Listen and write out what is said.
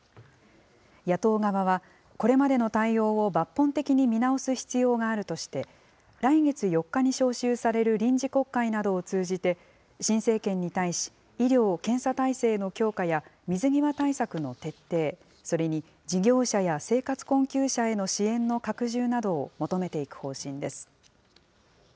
野党側は、これまでの対応を抜本的に見直す必要があるとして、来月４日に召集される臨時国会などを通じて、新政権に対し、医療・検査体制の強化や、水際対策の徹底、それに事業者や生活困窮者への支援の拡充などを求めていく方針です。